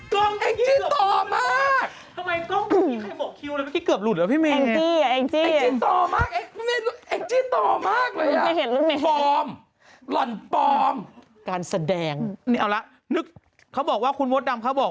กรงนี้เกือบหวังมากเอ็กจี้โตมาก